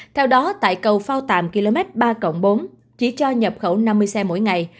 theo đó tại cầu phao tạm km ba bốn chỉ cho nhập khẩu năm mươi xe mỗi ngày